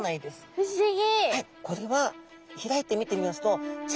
不思議！